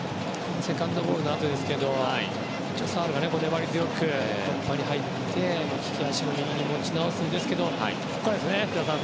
セカンドボールのあとですけどサールが粘り強くカバーに入って利き足の右に持ち直すんですけどここからですよね、福田さん。